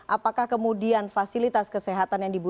apakah kemudian fasilitas kesehatan juga masih ada